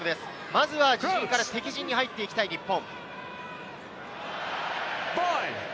まずは自陣から敵陣に入っていきたい日本。